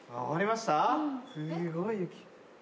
すごい雪。